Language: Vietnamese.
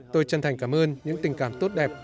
tôi chân thành cảm ơn những tình cảm tốt đẹp